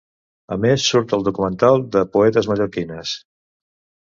A més, surt al documental de poetes mallorquines.